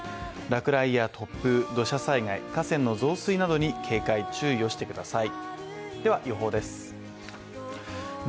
落雷や突風、土砂災害、河川の増水などに警戒・注意をしてください。